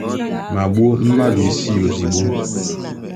ma gbuo mmadụ isii ozigbo